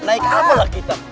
naik apa lah kita